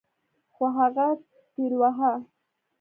خو هغه ټېلوهه.